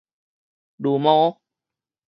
攄毛